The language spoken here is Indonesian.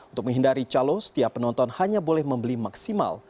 untuk menghindari calo setiap penonton hanya boleh membeli maksimal